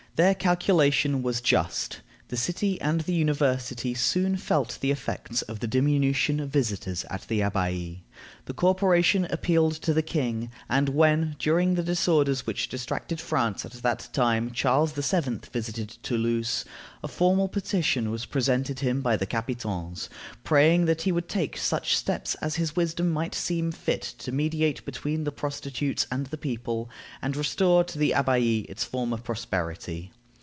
Their calculation was just; the city and the University soon felt the effects of the diminution of visitors at the Abbaye. The corporation appealed to the king; and when, during the disorders which distracted France at that time, Charles VII. visited Toulouse, a formal petition was presented to him by the capitones, praying that he would take such steps as his wisdom might seem fit to mediate between the prostitutes and the people, and restore to the Abbaye its former prosperity.